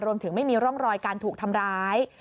ไม่มีร่องรอยการถูกทำร้าย